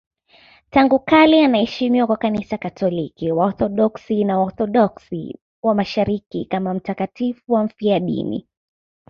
Tangu kale anaheshimiwa na Kanisa Katoliki, Waorthodoksi na Waorthodoksi wa Mashariki kama mtakatifu mfiadini.